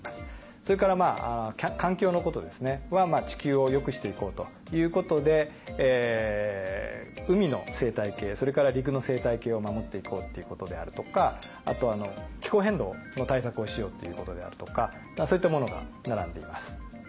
それから環境のことは地球を良くして行こうということで海の生態系それから陸の生態系を守って行こうっていうことであるとかあと気候変動の対策をしようということであるとかそういったものが並んでいます。